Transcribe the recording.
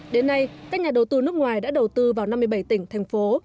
đến nay các nhà đầu tư nước ngoài đã đầu tư vào năm mươi bảy tỉnh thành phố